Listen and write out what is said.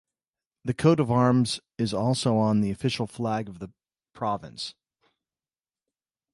The coat of arms is also on the official flag of the province.